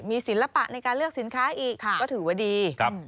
มีศิลปะในการเลือกสินค้าอีกก็ถือว่าดี